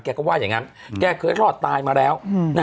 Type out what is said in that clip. ก็ว่าอย่างนั้นแกเคยรอดตายมาแล้ว